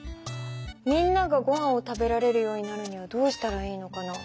みんながごはんを食べられるようになるにはどうしたらいいのかな？